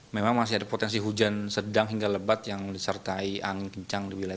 memang masih ada potensi hujan sedang hingga lebat yang disertai angin kencang di wilayah